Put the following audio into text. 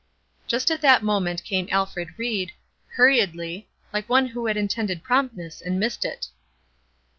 Just at that moment came Alfred Ried, hurriedly, like one who had intended promptness and missed it.